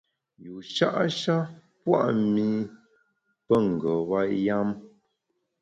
Yusha’ sha pua’ mi pe ngeba yam.